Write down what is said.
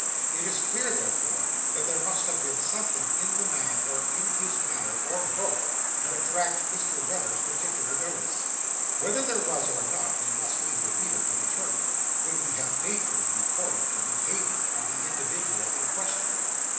It is clear, therefore, that there must have been something in the man, or in his manner, or both, to attract Mr. Weller's particular notice. Whether there was, or not, we must leave the reader to determine, when we have faithfully recorded the behaviour of the individual in question.